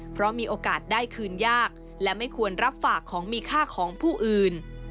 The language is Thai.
เพราะมีโอกาสได้คืนยากและไม่ควรรับฝากของมีค่าของผู้อื่น